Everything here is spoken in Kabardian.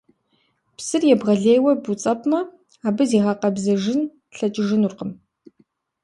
Псыр ебгъэлейуэ буцӀэпӀмэ, абы зигъэкъэбзэжын лъэкӀыжынукъым.